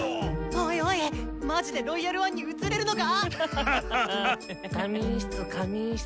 おいおいマジで「ロイヤル・ワン」に移れるのか⁉仮眠室仮眠室。